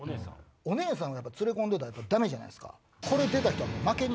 お姉さんを連れ込んでたらダメじゃないですか。